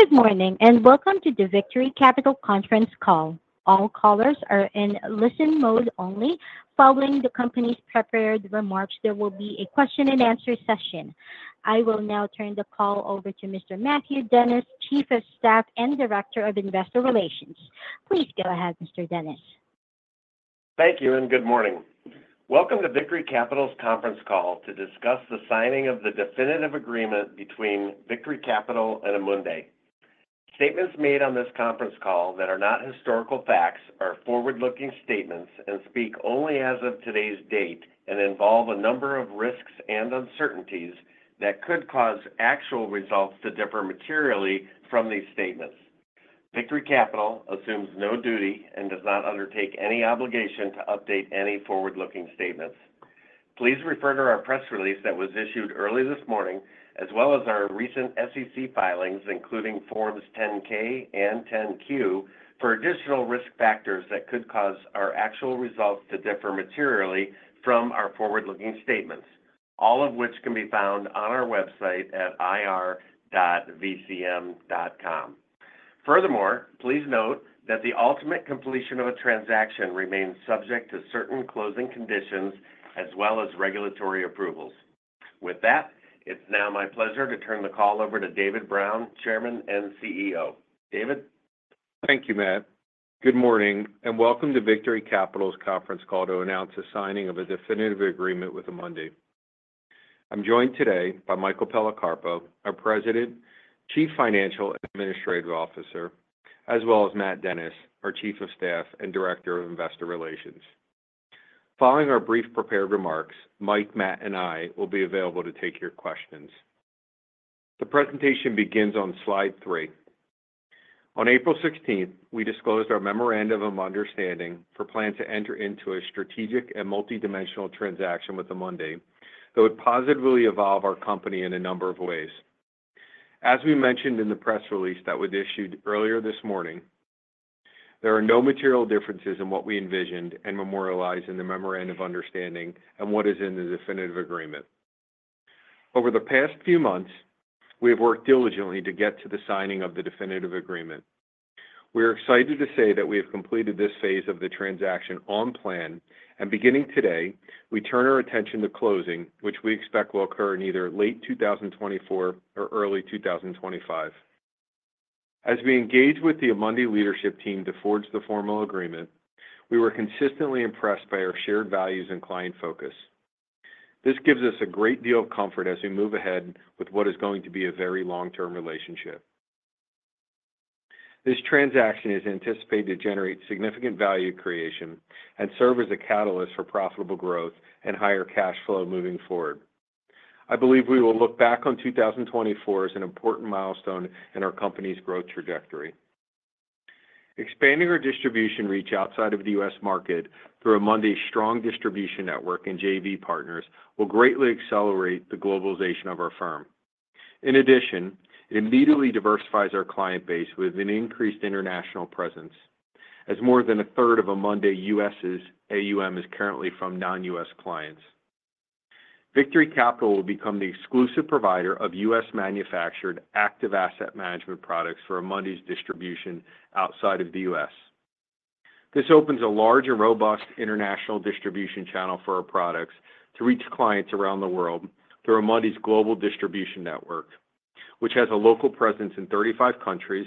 Good morning and welcome to the Victory Capital conference call. All callers are in listen mode only. Following the company's prepared remarks, there will be a question-and-answer session. I will now turn the call over to Mr. Matthew Dennis, Chief of Staff and Director of Investor Relations. Please go ahead, Mr. Dennis. Thank you and good morning. Welcome to Victory Capital's conference call to discuss the signing of the definitive agreement between Victory Capital and Amundi. Statements made on this conference call that are not historical facts are forward-looking statements and speak only as of today's date and involve a number of risks and uncertainties that could cause actual results to differ materially from these statements. Victory Capital assumes no duty and does not undertake any obligation to update any forward-looking statements. Please refer to our press release that was issued early this morning, as well as our recent SEC filings, including Forms 10-K and Form 10-Q, for additional risk factors that could cause our actual results to differ materially from our forward-looking statements, all of which can be found on our website at ir.vcm.com. Furthermore, please note that the ultimate completion of a transaction remains subject to certain closing conditions as well as regulatory approvals. With that, it's now my pleasure to turn the call over to David Brown, Chairman and CEO. David? Thank you, Matt. Good morning and welcome to Victory Capital's conference call to announce the signing of a definitive agreement with Amundi. I'm joined today by Michael Policarpo, our President and Chief Financial Officer, as well as Matt Dennis, our Chief of Staff and Director of Investor Relations. Following our brief prepared remarks, Mike, Matt, and I will be available to take your questions. The presentation begins on slide 3. On April 16th, we disclosed our memorandum of understanding for plan to enter into a strategic and multidimensional transaction with Amundi that would positively evolve our company in a number of ways. As we mentioned in the press release that was issued earlier this morning, there are no material differences in what we envisioned and memorialized in the memorandum of understanding and what is in the definitive agreement. Over the past few months, we have worked diligently to get to the signing of the definitive agreement. We are excited to say that we have completed this phase of the transaction on plan, and beginning today, we turn our attention to closing, which we expect will occur in either late 2024 or early 2025. As we engage with the Amundi leadership team to forge the formal agreement, we were consistently impressed by our shared values and client focus. This gives us a great deal of comfort as we move ahead with what is going to be a very long-term relationship. This transaction is anticipated to generate significant value creation and serve as a catalyst for profitable growth and higher cash flow moving forward. I believe we will look back on 2024 as an important milestone in our company's growth trajectory. Expanding our distribution reach outside of the U.S. market through Amundi's strong distribution network and JV partners will greatly accelerate the globalization of our firm. In addition, it immediately diversifies our client base with an increased international presence, as more than a third of Amundi U.S.'s AUM is currently from non-U.S. clients. Victory Capital will become the exclusive provider of U.S.-manufactured active asset management products for Amundi's distribution outside of the U.S. This opens a large and robust international distribution channel for our products to reach clients around the world through Amundi's global distribution network, which has a local presence in 35 countries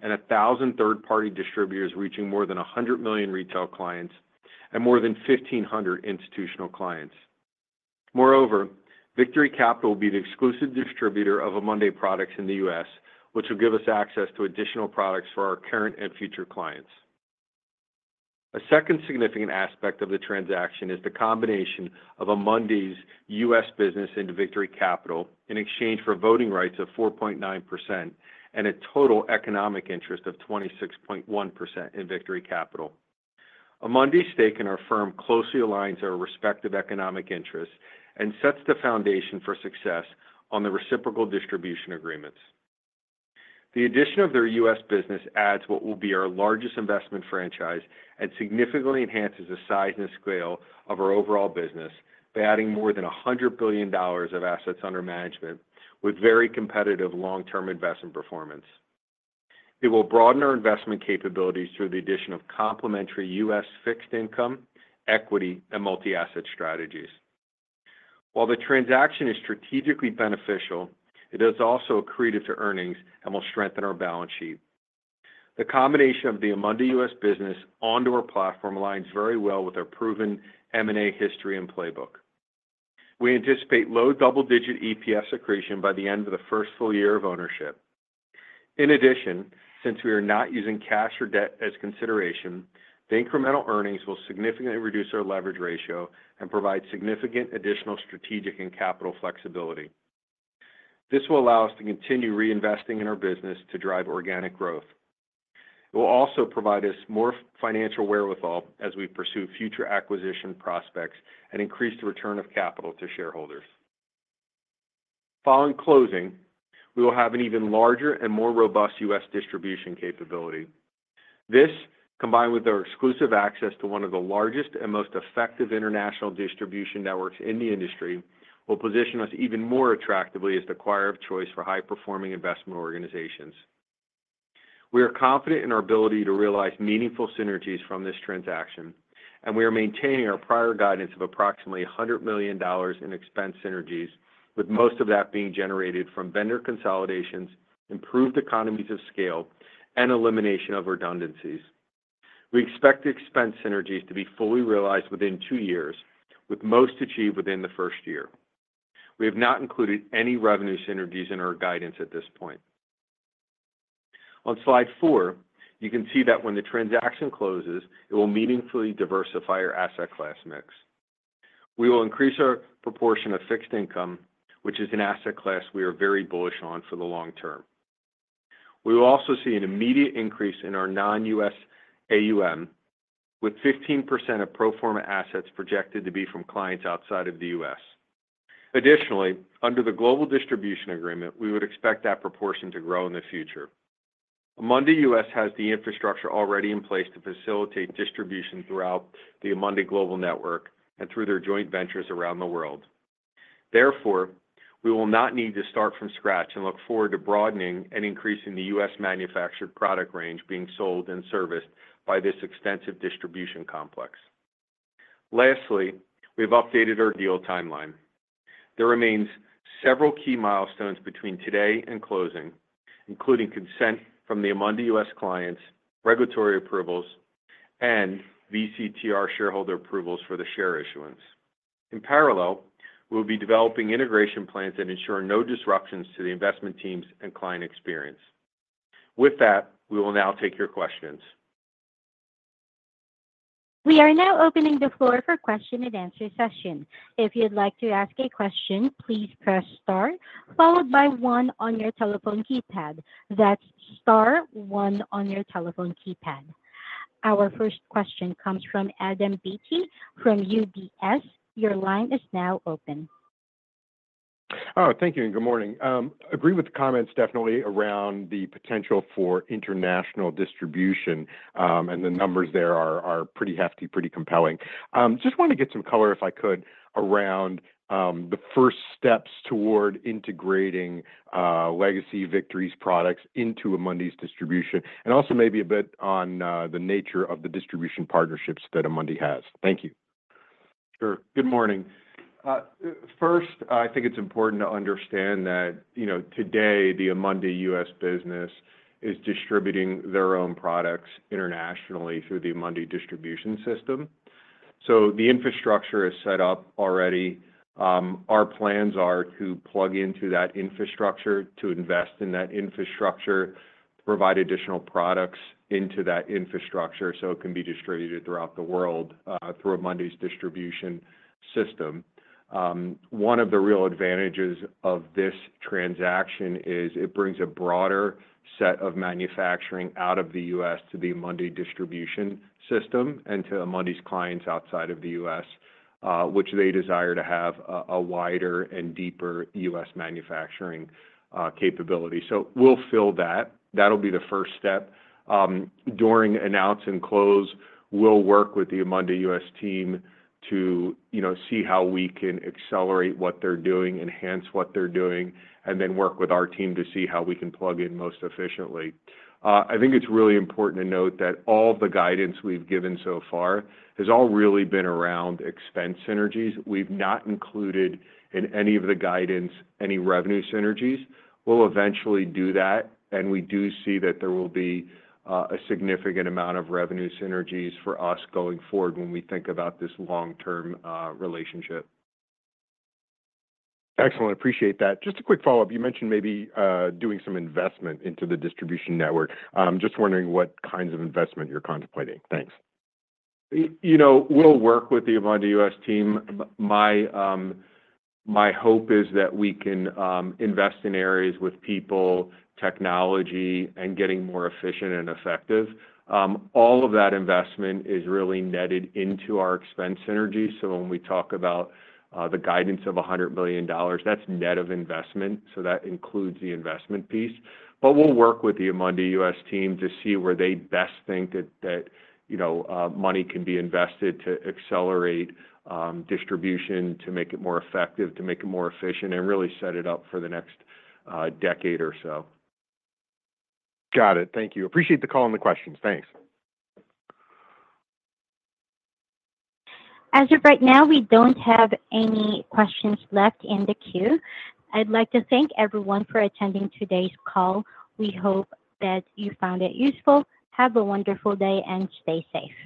and 1,000 third-party distributors reaching more than 100 million retail clients and more than 1,500 institutional clients. Moreover, Victory Capital will be the exclusive distributor of Amundi products in the U.S., which will give us access to additional products for our current and future clients. A second significant aspect of the transaction is the combination of Amundi's U.S. business into Victory Capital in exchange for voting rights of 4.9% and a total economic interest of 26.1% in Victory Capital. Amundi's stake in our firm closely aligns our respective economic interests and sets the foundation for success on the reciprocal distribution agreements. The addition of their U.S. business adds what will be our largest investment franchise and significantly enhances the size and scale of our overall business by adding more than $100 billion of assets under management with very competitive long-term investment performance. It will broaden our investment capabilities through the addition of complementary U.S. fixed income, equity, and multi-asset strategies. While the transaction is strategically beneficial, it is also accretive to earnings and will strengthen our balance sheet. The combination of the Amundi U.S. Business onto our platform aligns very well with our proven M&A history and playbook. We anticipate low double-digit EPS accretion by the end of the first full year of ownership. In addition, since we are not using cash or debt as consideration, the incremental earnings will significantly reduce our leverage ratio and provide significant additional strategic and capital flexibility. This will allow us to continue reinvesting in our business to drive organic growth. It will also provide us more financial wherewithal as we pursue future acquisition prospects and increase the return of capital to shareholders. Following closing, we will have an even larger and more robust U.S. distribution capability. This, combined with our exclusive access to one of the largest and most effective international distribution networks in the industry, will position us even more attractively as the acquirer of choice for high-performing investment organizations. We are confident in our ability to realize meaningful synergies from this transaction, and we are maintaining our prior guidance of approximately $100 million in expense synergies, with most of that being generated from vendor consolidations, improved economies of scale, and elimination of redundancies. We expect expense synergies to be fully realized within 2 years, with most achieved within the first year. We have not included any revenue synergies in our guidance at this point. On slide 4, you can see that when the transaction closes, it will meaningfully diversify our asset class mix. We will increase our proportion of fixed income, which is an asset class we are very bullish on for the long term. We will also see an immediate increase in our non-U.S. AUM, with 15% of pro forma assets projected to be from clients outside of the U.S. Additionally, under the global distribution agreement, we would expect that proportion to grow in the future. Amundi U.S. has the infrastructure already in place to facilitate distribution throughout the Amundi global network and through their joint ventures around the world. Therefore, we will not need to start from scratch and look forward to broadening and increasing the U.S. manufactured product range being sold and serviced by this extensive distribution complex. Lastly, we have updated our deal timeline. There remain several key milestones between today and closing, including consent from the Amundi U.S. clients, regulatory approvals, and VCTR shareholder approvals for the share issuance. In parallel, we will be developing integration plans that ensure no disruptions to the investment teams and client experience. With that, we will now take your questions. We are now opening the floor for question and answer session. If you'd like to ask a question, please press star followed by one on your telephone keypad. That's star, one on your telephone keypad. Our first question comes from Adam Beatty from UBS. Your line is now open. Oh, thank you and good morning. I agree with the comments definitely around the potential for international distribution, and the numbers there are pretty hefty, pretty compelling. Just want to get some color, if I could, around the first steps toward integrating legacy Victory's products into Amundi's distribution and also maybe a bit on the nature of the distribution partnerships that Amundi has? Thank you. Sure. Good morning. First, I think it's important to understand that today the Amundi U.S. business is distributing their own products internationally through the Amundi distribution system. So the infrastructure is set up already. Our plans are to plug into that infrastructure, to invest in that infrastructure, provide additional products into that infrastructure so it can be distributed throughout the world through Amundi's distribution system. One of the real advantages of this transaction is it brings a broader set of manufacturing out of the U.S. to the Amundi distribution system and to Amundi's clients outside of the U.S., which they desire to have a wider and deeper U.S. manufacturing capability. So we'll fill that. That'll be the first step. During announce and close, we'll work with the Amundi U.S. team to see how we can accelerate what they're doing, enhance what they're doing, and then work with our team to see how we can plug in most efficiently. I think it's really important to note that all of the guidance we've given so far has all really been around expense synergies. We've not included in any of the guidance any revenue synergies. We'll eventually do that, and we do see that there will be a significant amount of revenue synergies for us going forward when we think about this long-term relationship. Excellent. Appreciate that. Just a quick follow-up. You mentioned maybe doing some investment into the distribution network. I'm just wondering what kinds of investment you're contemplating. Thanks. We'll work with the Amundi U.S. team. My hope is that we can invest in areas with people, technology, and getting more efficient and effective. All of that investment is really netted into our expense synergy. So when we talk about the guidance of $100 million, that's net of investment, so that includes the investment piece. But we'll work with the Amundi U.S. team to see where they best think that money can be invested to accelerate distribution, to make it more effective, to make it more efficient, and really set it up for the next decade or so. Got it. Thank you. Appreciate the call and the questions. Thanks. As of right now, we don't have any questions left in the queue. I'd like to thank everyone for attending today's call. We hope that you found it useful. Have a wonderful day and stay safe.